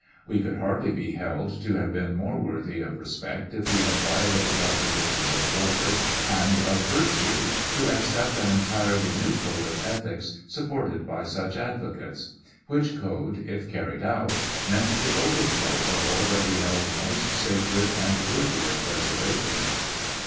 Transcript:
We could hardly be held to have been more worthy of respect if we had violated our traditions of order and of virtue to accept an entirely new code of ethics supported by such advocates; which code, if carried out, meant the overthrow of all that we held most sacred and worthy of preservation.